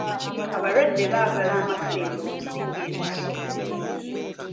Abalwadde baagala amakerenda okusinga empiso.